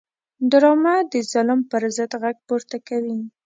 ډرامه د ظلم پر ضد غږ پورته کوي